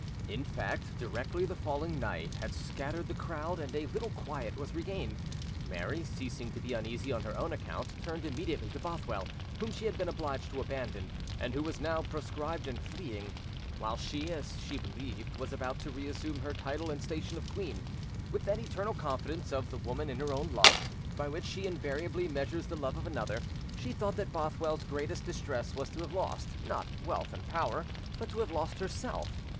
In fact, directly the falling night had scattered the crowd and a little quiet was regained, Mary, ceasing to be uneasy on her own account, turned immediately to Bothwell, whom she had been obliged to abandon, and who was now proscribed and fleeing; while she, as she believed, was about to reassume her title and station of queen. With that eternal confidence of the woman in her own love, by which she invariably measures the love of another, she thought that Bothwell's greatest distress was to have lost, not wealth and power, but to have lost herself.